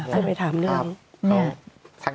เพื่อไปถามเรื่อง